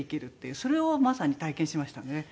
それをまさに体験しましたね。